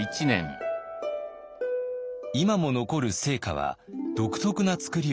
今も残る生家は独特なつくりをしています。